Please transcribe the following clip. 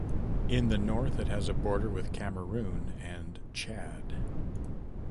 In the north it has a border with Cameroun and Chad.